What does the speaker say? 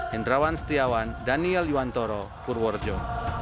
hendrawan setiawan daniel yuwantoro purworejo